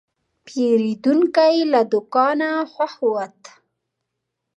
پیرودونکی له دوکانه خوښ ووت.